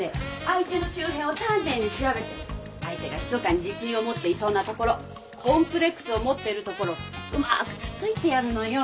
相手の周辺を丹念に調べて相手がひそかに自信を持っていそうなところコンプレックスを持ってるところをうまくつついてやるのよ。